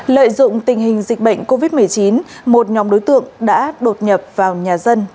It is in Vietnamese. lợi dụng tình hình dịch bệnh covid một mươi chín một nhóm đối tượng đã đột nhập vào nhà dân trộm cắp nhiều tài sản có giá trị